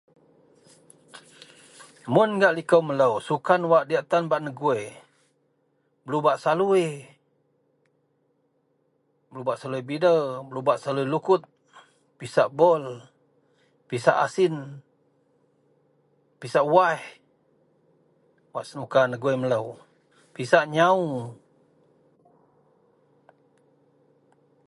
Mun gak likou melou sukan wak diyak tan bak negui. Belubak salui belubak salui bider, belubak salui lukut, pisak bol, pisak asin, pisak waih wak senuka negui melou pisak nyawu